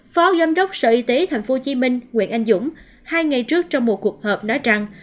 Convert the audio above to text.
phó giám đốc sở y tế tp hcm nguyễn anh dũng hai ngày trước trong một cuộc họp nói rằng